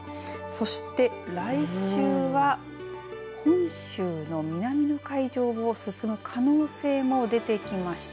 そして来週は本州の南の海上を進む可能性も出てきました。